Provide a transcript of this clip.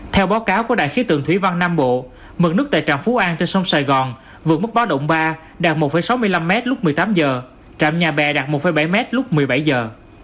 theo báo cáo của đại khí tượng thủy văn nam bộ mực nước tại trạm phú an trên sông sài gòn vượt mức báo động ba đạt một sáu mươi năm mét lúc một mươi tám giờ trạm nhà bè đạt một bảy mét lúc một mươi bảy giờ